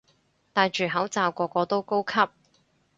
戴住口罩個個都高級